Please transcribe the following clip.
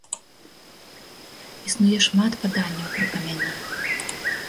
Існуе шмат паданняў пра камяні.